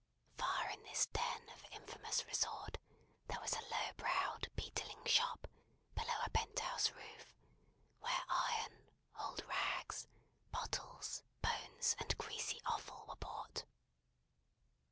Far in this den of infamous resort, there was a low browed, beetling shop, below a pent house roof, where iron, old rags, bottles, bones, and greasy offal, were bought.